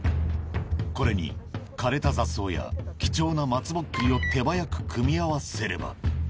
これに枯れた雑草や貴重な松ぼっくりを手早く組み合わせれば。